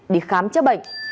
đi khám chữa bệnh